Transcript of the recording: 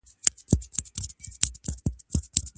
د اړيکو د ساتلو لپاره کوم اصول شتون لري؟